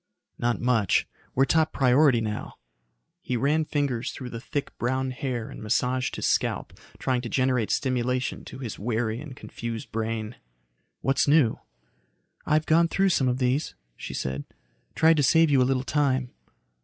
"Not much. We're top priority now." He ran fingers through the thick, brown hair and massaged his scalp, trying to generate stimulation to his wary and confused brain. "What's new?" "I've gone though some of these," she said. "Tried to save you a little time."